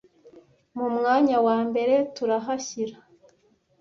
mu mwanya wa mbere turahashyira